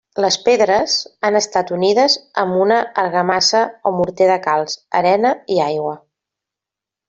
Les pedres han estat unides amb una argamassa o morter de calç, arena i aigua.